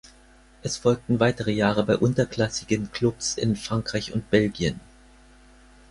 Es folgten weitere Jahre bei unterklassigen Klubs in Frankreich und Belgien.